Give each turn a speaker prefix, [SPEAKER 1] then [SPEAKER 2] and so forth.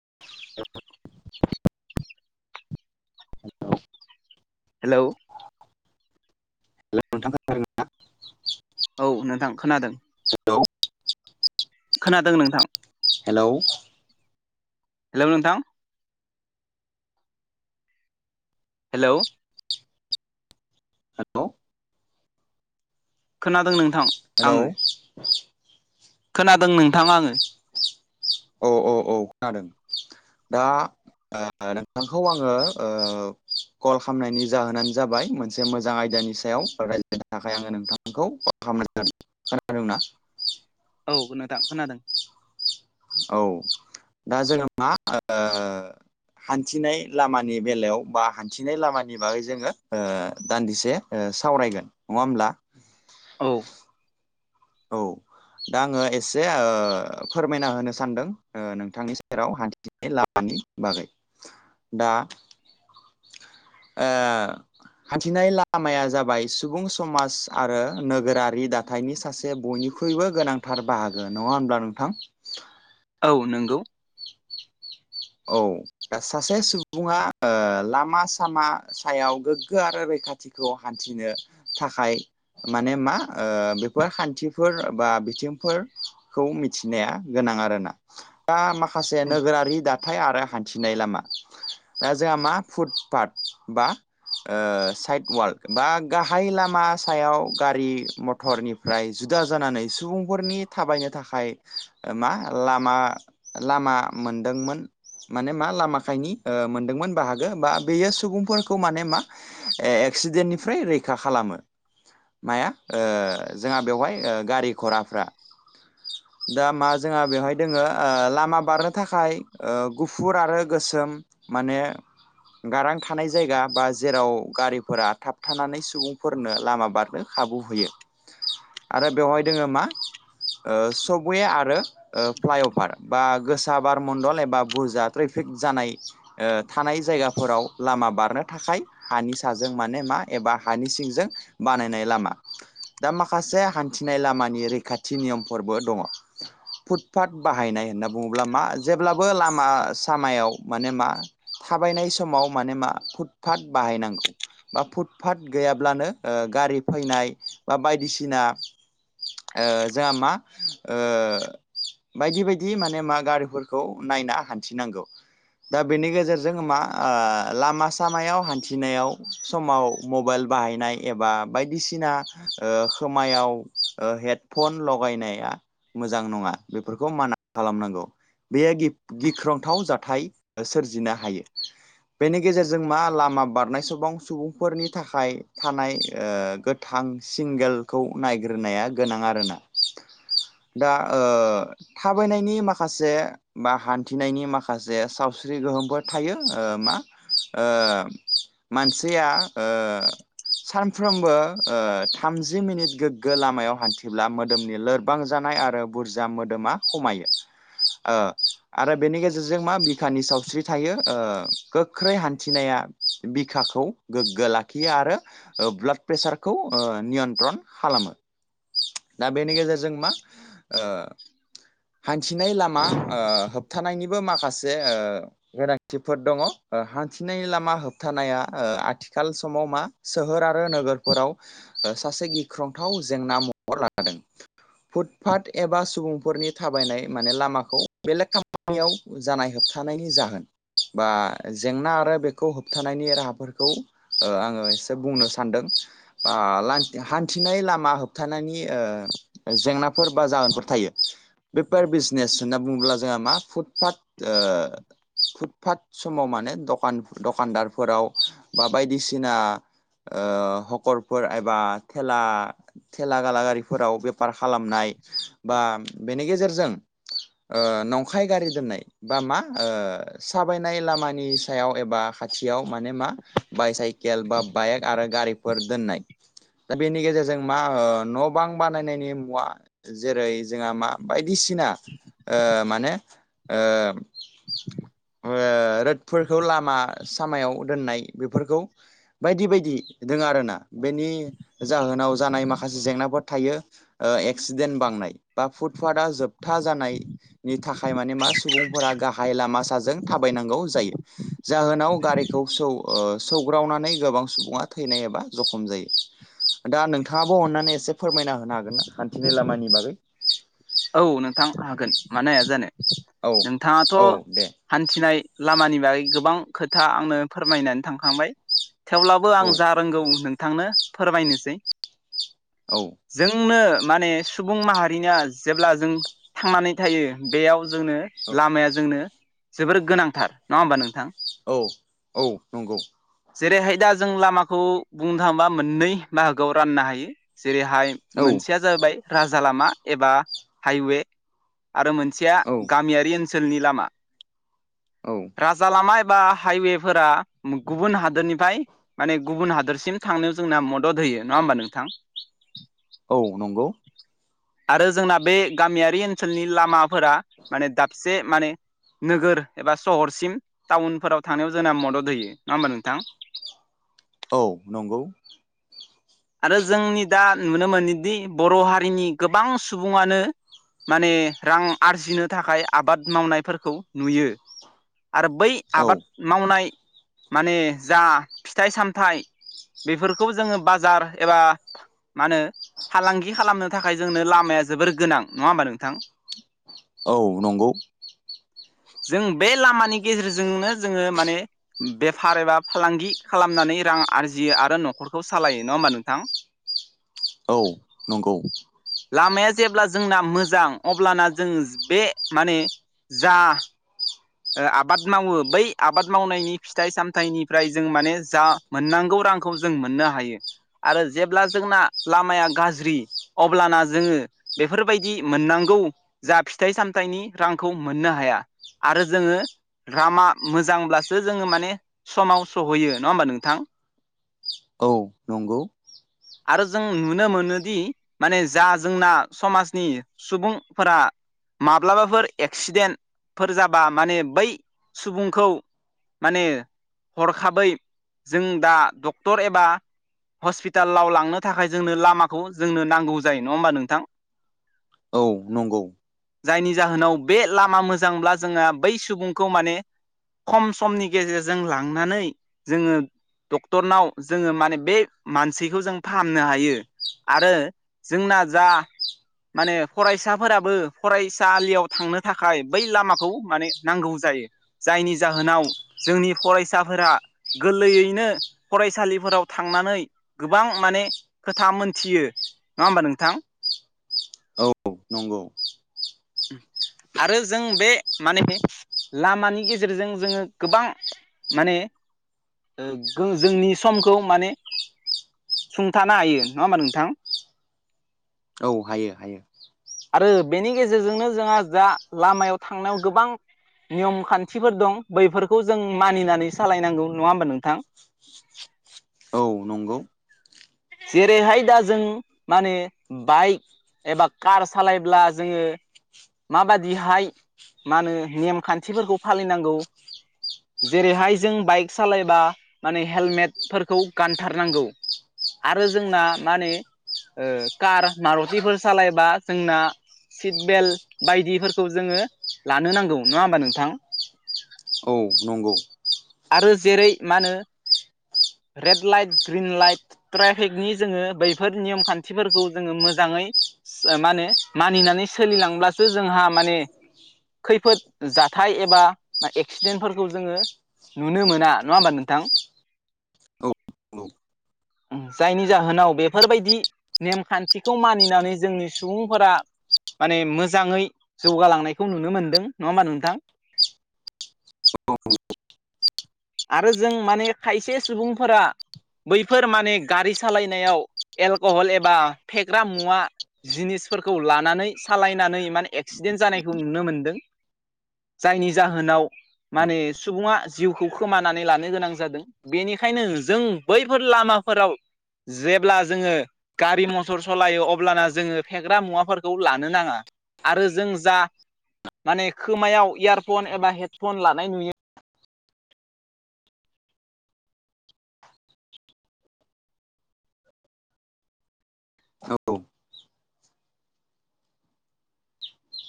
[SPEAKER 1] [inaudible]
[SPEAKER 2] Hello
[SPEAKER 1] [unintelligible]
[SPEAKER 2] औ नोंथां खोनादों
[SPEAKER 1] [unintelligible]
[SPEAKER 2] खोनादों नोंथां
[SPEAKER 1] हेलौ
[SPEAKER 2] हेलौ नोंथां हेलौ
[SPEAKER 1] हेलौ
[SPEAKER 2] खोनादों नोंथां
[SPEAKER 1] हेलौ
[SPEAKER 2] आङो खोनादों नोंथां आङो
[SPEAKER 1] औ औ औ खोनादों दा नोंथांखौ आङो कल खालामनायनि जाहोनानो जाबाय मोनसे मोजां आयदानि सा याव रायज्लायनो थाखाय आङो नोंथांमोनखौ खालाम जादों खोनादोंना
[SPEAKER 2] औ नोंथां खोनादों
[SPEAKER 1] औ दा जोङा मा ओ हान्थिनाय लामानि बेलायाव बा हान्थिनाय लामानि बागै जोङो दान्दिसे सावरायगोन नङा होमब्ला
[SPEAKER 2] औ
[SPEAKER 1] औ दा आङो एसे ओ फोरमायना होनो सानदों नोंथांनि सेराव हानि लामानि बागै दा ओ हान्थिनाय लामाया जाबाय सुबुं समाज आरो नोगोरारि दा थायनि सासे बयनिख्रुइबो गोनांथार बाहागो नङा होनब्ला नोंथां?
[SPEAKER 2] औ नंगौ
[SPEAKER 1] औ दा सासे सुबुङा ओ लामा सामा सायाव गोग्गो आरो रैखाथि खौ हान्थिनो थाखाय माने मा ओ बेफोर खान्थिफोर बा बिथिंफोर खौ मिथिनाया गोनां आरोना दा माखासे नोगोरारि दा हाथाय आरो हान्थिनाय लामा दा जोंहा मा फुटपााथ बा साइड वालड बा गाहाय लामा सायाव गारि मथर मटरनिफ्राय जुदा जानानै सुबुंफोरनि थाबायनो थाखाय मा लामा लामा मोनदोंमोन। माने मा लामा खायनि मोनदोंमोन बाहागो बा बेयो सुबुंफोरखौ माने मा एक्सिडेन्टनिफ्राय रैखा खालामो माया ओ जोंहा बेवहाय ओ गारि घराफ्रा दा मा जोंहा बेवहाय दोङो ओ लामा बारनो थाखाय ओ गुफुर आरो गोसोम माने गारां थानाय जायगा बा जेराव गारिफोरा थाब थानानै सुबुंफोरनो लामा बारनो खाबु होयो आरो बेवहाय दोङो मा सबवे आरो फ्लाइअभार बा गोसा बार मण्डल ए बा बुरजा ट्रेफिक जानाय थानाय जायगाफोराव लामा बारनो थाखाय हानि साजों माने मा एबा हानि सिंजों बानायनाय लामा दा माखासे हान्थिनाय लामानि रैखाथि नियमफोरबो दङ। फुटपााथ बाहायनाय होनना बुङोब्ला मा जेब्लाबो लामा सामायाव माने मा थाबायनाय समाव माने मा फुटपााथ बाहायनांगौ। बा फुटफााथ गैयाब्लानो ओ गारि फैनाय बा बायदिसिना ओ जोंहा मा ओ बायदि बायदि माने मा गारिफोरखौ नायना हान्थिनांगौ। दा बेनि गेजेरजों मा ओ लामा सामायाव हान्थिनायाव समाव मबाइल बाहायनाय एबा बायदिसिना ओ खोमायाव हेट फन लगायनाया मोजां नङा बेफोरखौ माना खालामनांगौ बेयो गि गिख्रंथाव जाथाय सोरजिनो हायो। बेनि गेजेरजों मा लामा बारनाय [unintelligible] सुबुंफोरनि थाखाय थानाय ओ गो थां सिंगेलखौ नायग्रोनाया गोनां आरोना। दा ओ थाबायनायनि माखासे [unintelligible] हान्थिनायनि माखासे सावस्रि गोहोमफोर थायो‌ ओ मा ओ मानसिया ओ सानफ्रोमबो ओ थामजि मिनिट गोग्गो लामायाव हान्थिब्ला मोदोमनि लोर बां जानाय आरो बुरजा मोदोमा खमायो। ओ आरो बेनि गेजेरजों मा बिखानि सावस्रि थायो ओ गोख्रै हान्थिनाया बिखाखौ गोग्गो लाखियो आरो ब्लाड प्रेसारखौ ओ नियन्त्रन खालामो। दा बेनि गेजेरजों मा ओ हान्थिनाय लामा ओ होबथानायनिबो माखासे ओ गोनांथिफोर दङ हान्थिनाय लामा होबथानाया आथिखाल समाव मा सोहोर आरो नोगोरफोराव सासे गिख्रंथाव जेंना महर लादों। फुटफाथ एबा सुबुंफोरनि थाबायनाय माने लामाखौ बेलेग खामानियाव जानाय होबथानायनि जाहोन बा जेंना आरो बेखौ होबथानायनि राहाफोरखौ ओ आङो एसे बुंनो सान्दों। [unintelligible] हान्थिनाय लामा होबथानायनि जेंनाफोर बा जहोनफोर थायो बेफोर बिजनेस बुङोब्ला जोंहा मा फुटपाथ फुटपाथ समाव माने दखान दखानदारफोराव बा बायदिसिना हखरफोर एबा थेला थेला गाला गारिफोराव बेफार खालामनाय बा बेनि गेजेरजों नंखाय गारि दोननाय बा मा साबायनाय लामानि सायाव एबा खाथि खाथियाव माने मा बायसाइकेल बा बाइक आरो गारिफोर दोननाय दा बेनि गेजेरजों मा न' बां बानायनायनि मुवा जेरै जोंहा मा बायदिसिना
[SPEAKER 2] [inaudible]
[SPEAKER 1] ओ माने ओ [unintelligible] रोदफोरखौ लामा सामायाव दोननाय बेफोरखौ बायदि बायदि दोङो आरोना बेनि जाहोनाव जानाय माखासे जेंनाफोर थायो ओ एक्सिडेन्ट बांनाय बा फुटपाथ‌आ जोबथा जानाय नि थाखाय माने मा सुबुंफोरा गाहाय लामा साजों थाबायनांगौ जायो। जाहोनाव गारिखौ सौ ओ सौग्रावनानै गोबां सुबुङा थैनाय एबा जखम जायो। दा नोंथाङाबो अननानै एसे फोरमायना होनो हागोन ना हान्थिनाय लामानि बागै
[SPEAKER 2] औ नोंथां हागोन मानो हाया जानो
[SPEAKER 1] औ औ
[SPEAKER 2] नोंथाङाथ'
[SPEAKER 1] दे
[SPEAKER 2] हान्थिनाय लामानि बागै गोबां खोथा आंनो फोरमायनानै थांखांबाय थेवब्लाबो
[SPEAKER 1] औ
[SPEAKER 2] आं जा रोंगौ नोंथांनो फोरमायनोसै
[SPEAKER 1] औ
[SPEAKER 2] जोंनो माने सुबुं माहारिया जेब्ला जों थांनानै थायो बेयाव जोंनो लामाया जोंनो जोबोर गोनांथार नङा होमबा नोंथां
[SPEAKER 1] औ औ नंगौ
[SPEAKER 2] जेरैहाय दा जों लामाखौ बुंनो थाङोबा मोननै बाहागोआव राननो हायो जेरैहाय
[SPEAKER 1] औ
[SPEAKER 2] मोनसेया जाबाय राजा लामा एबा हाइवे आरो मोनसे मोनसेआ
[SPEAKER 1] औ
[SPEAKER 2] गामियारि ओनसोलनि लामा
[SPEAKER 1] औ
[SPEAKER 2] राजा लामा एबा हाइवेफोरा गुबुन हादोरनिफ्राय माने गुबुन हादोरसिम थांनायाव जोंना मदद होयो नङा होमबा नोंथां
[SPEAKER 1] औ नंगौ
[SPEAKER 2] आरो जोंना बे गामियारि ओनसोलनि लामाफोरा माने दाबसे माने नोगोर एबा सहरसिम टाउनफोराव थांनायाव जोंना मदद होयो नङा होमबा नोंथां।
[SPEAKER 1] औ नंगौ।
[SPEAKER 2] आरो जोंनि दा नुनो मोनोदि बर' हारिनि गोबां सु बुङानो माने रां आरजिनो थाखाय आबाद मावनायफोरखौ नुयो। आरो बै
[SPEAKER 1] औ
[SPEAKER 2] आबाद मावनाय माने जा फिथाइ सामथाइ बेफोरखौ जोङो बाजार एबा मा होनो फालांगि खालामनो थाखाय जोंनो लामाया जोबोर गोनां नङा होमबा नोंथां।
[SPEAKER 1] औ नंगौ।
[SPEAKER 2] जों बे लामानि गेजेरजोंनो जोङो माने बेफार एबा फालांगि खालामनानै रां आरजियो आरो न'खरखौ सालायो नङा होमबा नोंथां।
[SPEAKER 1] औ नंगौ।
[SPEAKER 2] लामाया जेब्ला जोंना मोजां अब्लाना जों बे माने जा ओ आबाद मावो बै आबाद मावनायनि फिथाइ सामथाइनिफ्राय जों माने जा मोननांगौ रांखौ जों मोननो हायो आरो जेब्ला जोंना लामाया गाज्रि अब्लाना जोङो बेफोरबायदि मोननांगौ जा फिथाइ सामथाइनि रांखौ मोननो हाया। आरो जोङो लामा मोजांब्लासो जोङो माने समाव सहैयो नङा होनबा नोंथां?
[SPEAKER 1] औ नंगौ
[SPEAKER 2] आरो जों नुनो मोनोदि माने जा जोंना समाजनि सुबुंफोरा माब्लाबाफोर एक्सिडेन्ट फोर जाबा माने बै सुबुंखौ माने हरखाबै जों दा डक्टर एबा हस्पिटालाव लांनो थाखाय जोंनो लामाखौ जोंनो नांगौ जायो नंङा होमबा नोंथां।
[SPEAKER 1] औ नंगौ।
[SPEAKER 2] जायनि जाहोनाव बे लामा मोजांब्ला जोंङो बै सुबुंखौ माने खम समनि गेजेरजों लांनानै जोंङो डक्टरनाव जोंङो माने बे मानसिखौ जों फाहामनो हायो। आरो जोंना जा माने फरायसाफोराबो फरायसालियाव थांनो थाखाय बै लामाखौ माने नांगौ जायो जायनि जाहोनाव जोंनि फरायसाफोरा गोरलैयैनो फरायसालिफोराव थांनानै गोबां माने खोथा मोनथियो नंङा होमबा नोंथां?
[SPEAKER 1] औ नंगौ
[SPEAKER 2] आरो जों बे माने लामानि गेजेरजों जोंङो गोबां माने ओ गो जोंनि समखौ माने सुंथानो हायो नंङा होमबा नोंथां।
[SPEAKER 1] औ हायो हायो
[SPEAKER 2] आरो बेनि गेजेरजोंनो जोंहा दा लामायाव थांनायाव गोबां नियम खान्थिफोर दं बैफोरखौ जों मानिनानै सालायनांगौ नंङा होमबा नोंथां।
[SPEAKER 1] औ नंगौ
[SPEAKER 2] जेरैहाय दा जों माने बाइक एबा कार सालायब्ला जोंङो माबादिहाय मा होनो नेम खान्थिफोरखौ फालिनांगौ जेरैहाय जों बाइक सालायबा माने हेलमेटफोरखौ गानथारनांगौ। आरो जोंना माने कार मारुथिफोर सालायबा जोंना सिट बेल्ट बायदिफोरखौ जोंङो लानो नांगौ नंङा होमबा नोंथां।
[SPEAKER 1] औ नंगौ
[SPEAKER 2] आरो जेरै मा होनो रेड लाइट ग्रिन लाइट ट्रेफिकनि जोंङो बैफोर नियम खान्थिफोरखौ जोंङो मोजांङै मा होनो मानिनानै सोलिलांब्लासो जोंहा माने खैफोद जाथाय एबा एक्सिडेन्टफोरखौ जोङो नुनो मोना नंङा होमबा नोंथां?
[SPEAKER 1] औ औ
[SPEAKER 2] जायनि जाहोनाव बेफोरबायदि नेमखान्थिखौ मानिनानै जोंनि सुबुंफोरा माने मोज जांङै जौगालांनायखौ नुनो मोनदों नंङा होमबा नोंथां? आरो जों माने खायसे सुबुंफोरा बैफोर माने गारि सालायनायाव एलक'हल एबा फेग्रा मुवा जिनिसफोरखौ लानानै सालायनानै माने एक्सिडेन्ट जानायखौ नुनो मोनदों। जायनि जाहोनाव माने सुबुंङा जिउखौ खो खमानानै लानो गोनां जादों बेनिखायनो जों बैफोर लामाफोराव जेब्ला जोंङो गारि मथर सालायो अब्लाना जोंङो फेग्रा मुवाफोरखौ लानो नांङा। आरो जों जा माने खोमायाव इयारफन एबा हेडफन लानाय नुयो
[SPEAKER 1] औ